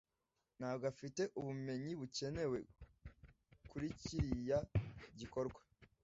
Ntabwo afite ubumenyi bukenewe kuri kiriya gikorwa